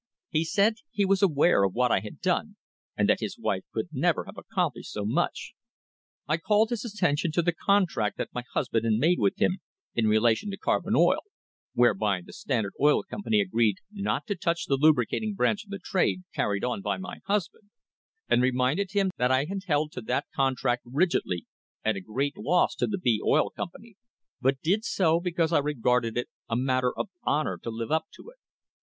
He said he was aware of what I had done, and that his wife could never have accomplished so much. I called his attention to the contract that my husband had made with him in relation to carbon oil, whereby the Standard Oil Company agreed not to touch the lubricating branch of the trade carried on by my husband, and reminded him that I had held to that contract rigidly, at a great loss to the B Oil Company, but did so because I regarded it a matter of honour to live up to it.